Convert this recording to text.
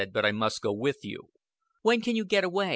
"But I must go with you." "When can you get away?